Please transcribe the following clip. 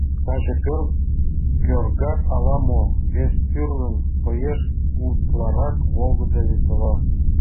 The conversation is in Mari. Таче пӧрт кӧргат ала-мо вес тӱрлын коеш: утларак волгыдо, весела!